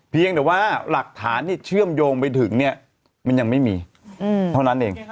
เพียงแต่ว่าหลักฐานที่เชื่อมโยงไปถึงเนี่ยมันยังไม่มีเท่านั้นเอง